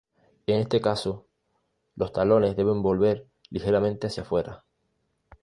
En este caso, los talones deben volver ligeramente hacia fuera.